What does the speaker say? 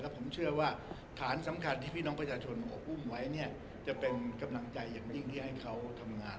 ผมเชื่อว่าฐานสำคัญที่พี่น้องประชาชนอุ้มไว้จะเป็นกำลังใจอย่างยิ่งที่ให้เขาทำงาน